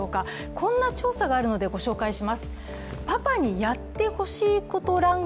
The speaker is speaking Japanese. こんな調査があるのでご紹介します。